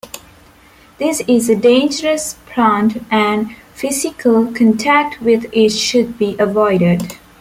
This is a dangerous plant and physical contact with it should be avoided.